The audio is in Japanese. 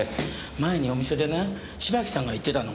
前にお店でね芝木さんが言ってたの。